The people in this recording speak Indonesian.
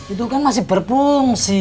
itu kan masih berfungsi